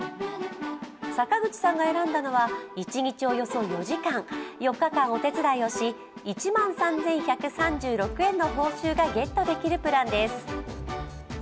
坂口さんが選んだのは１日およそ４時間４日間、お手伝いをし、１万３１３６円の報酬がゲットできるプランです。